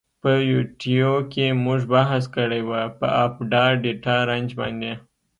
په یوټیو کی مونږ بحث کړی وه په آپډا ډیټا رنج باندی.